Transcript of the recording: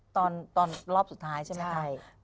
ตอนรอบสุดท้ายใช่ไหมคะ